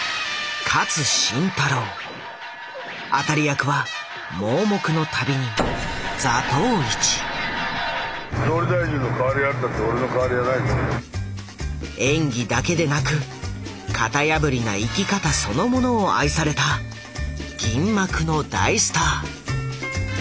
当たり役は盲目の旅人演技だけでなく型破りな生き方そのものを愛された銀幕の大スター。